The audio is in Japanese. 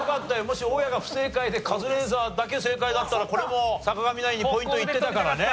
もし大家が不正解でカズレーザーだけ正解だったらこれも坂上ナインにポイントいってたからね。